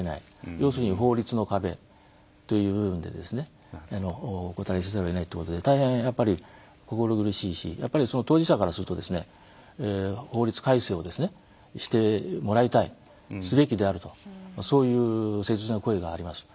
要するに法律の壁というものでお断りせざるを得ないということで大変、やっぱり心苦しいし当事者からすると法律改正をしてもらいたいすべきであるとそういう切実な声があります。